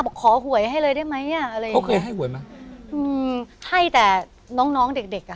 ขอหวยให้เลยได้ไหมอ่ะอะไรอย่างงีเขาเคยให้หวยไหมอืมให้แต่น้องน้องเด็กเด็กอ่ะ